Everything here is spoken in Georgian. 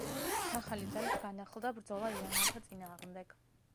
ახალი ძალით განახლდა ბრძოლა ირანელთა წინააღმდეგ.